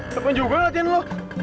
tepen juga ngeliatin lo